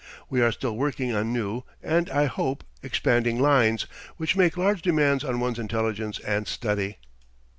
We are still working on new, and, I hope, expanding lines, which make large demands on one's intelligence and study.